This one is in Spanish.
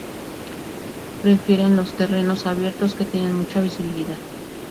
Prefieren los terrenos abiertos que tienen mucha visibilidad.